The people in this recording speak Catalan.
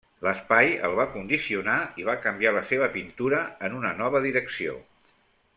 L'espai el va condicionar i va canviar la seva pintura en una nova direcció.